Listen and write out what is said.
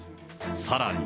さらに。